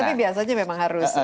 tapi biasanya memang harus